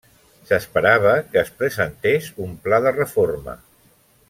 S'esperava que es presentés un pla de reforma.